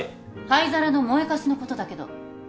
灰皿の燃えかすのことだけど。